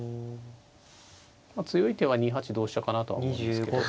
強い手は２八同飛車かなとは思うんですけど。